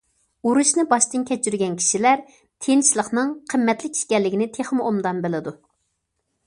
ئۇرۇشنى باشتىن كۆچۈرگەن كىشىلەر تىنچلىقنىڭ قىممەتلىك ئىكەنلىكىنى تېخىمۇ ئوبدان بىلىدۇ.